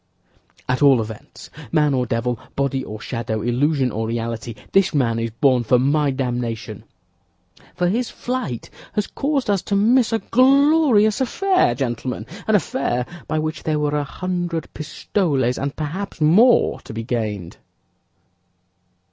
"At all events, man or devil, body or shadow, illusion or reality, this man is born for my damnation; for his flight has caused us to miss a glorious affair, gentlemen—an affair by which there were a hundred pistoles, and perhaps more, to be gained."